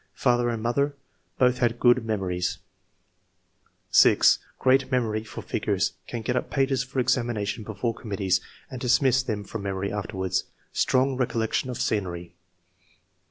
" Father and Mother — both had good memo ries. H.] QUALITIES. 113 6. Great memory for figures ; can get up pages for examination before committees, and dismiss them from memory afterwards. Strong recollection of scenery."